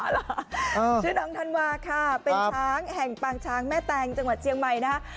ชื่อน้องธันวาค่ะเป็นช้างแห่งปางช้างแม่แตงจังหวัดเชียงใหม่นะฮะ